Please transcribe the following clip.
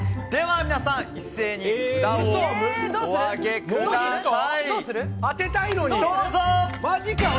皆さん一斉に札をお上げください。